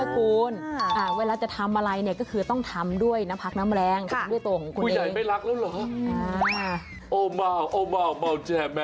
เขาจะไม่ชอบเขาอย่างนี้เลย